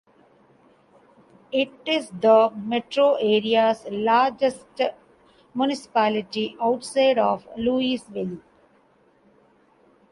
It is the metro area's largest municipality outside of Louisville.